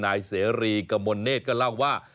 นายเสรีกมลเนธก็เล่าว่า